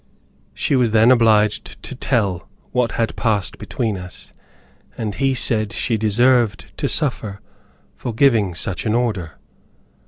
She was then obliged to tell what had passed between us, and he said she deserved to suffer for giving such an order.